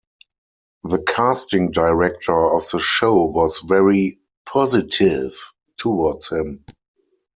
The casting director of the show was very positive towards him.